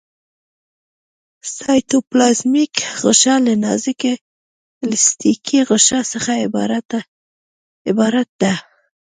سایټوپلازمیک غشا له نازکې الستیکي غشا څخه عبارت ده.